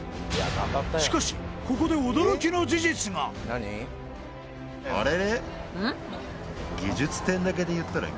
しかしここで驚きの事実があれれ？